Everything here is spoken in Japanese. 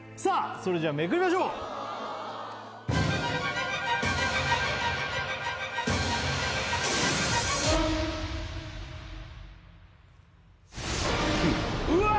それじゃあめくりましょう９うわあ